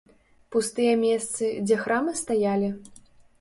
Пустыя месцы, дзе храмы стаялі?